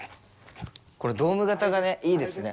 これドーム型がいいですね。